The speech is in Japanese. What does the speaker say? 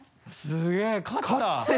すげぇ勝った？